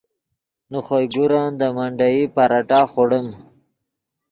نے خوئے گورن دے منڈیئی پراٹھہ خوڑیم